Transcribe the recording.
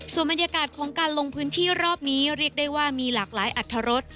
ส่วนบรรยากาศของการลงพื้นที่รอบนี้เรียกได้ว่ามีหลากหลายอัตรรส